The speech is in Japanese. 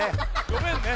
ごめんね。